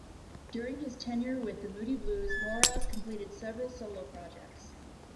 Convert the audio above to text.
During his tenure with the Moody Blues, Moraz completed several solo projects.